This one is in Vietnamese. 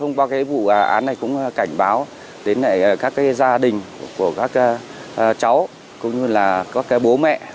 hôm qua vụ án này cũng cảnh báo đến các gia đình của các cháu cũng như là các bố mẹ